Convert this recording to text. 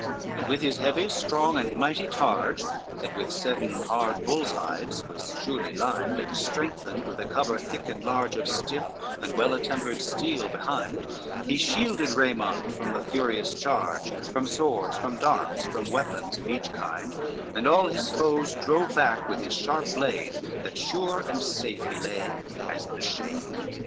LXXXVI And with his heavy, strong and mighty targe, That with seven hard bulls' hides was surely lined, And strengthened with a cover thick and large Of stiff and well attempered steel behind, He shielded Raymond from the furious charge, From swords, from darts, from weapons of each kind, And all his foes drove back with his sharp blade, That sure and safe he lay, as in a shade.